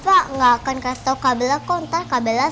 pak gak akan kasih tau kak bella kok ntar kak bella sedih